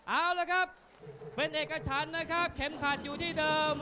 เอาละครับเป็นเอกชันนะครับเข็มขัดอยู่ที่เดิม